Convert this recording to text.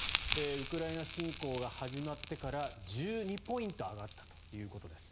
ウクライナ侵攻が始まってから１２ポイント上がったということです。